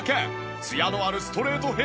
ツヤのあるストレートヘアに。